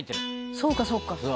「そうかそうか」